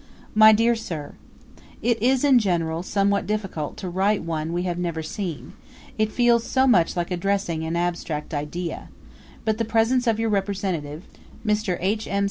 My Dear Sir, It is in general somewhat difficult to write to one we have never seen it feels so much like addressing an abstract idea but the presence of your representative, Mr. H. M.